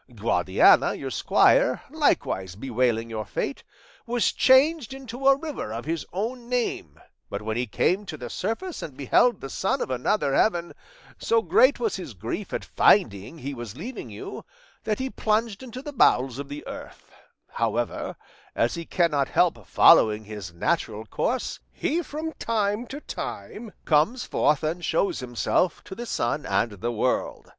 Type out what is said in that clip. Guadiana your squire, likewise bewailing your fate, was changed into a river of his own name, but when he came to the surface and beheld the sun of another heaven, so great was his grief at finding he was leaving you, that he plunged into the bowels of the earth; however, as he cannot help following his natural course, he from time to time comes forth and shows himself to the sun and the world.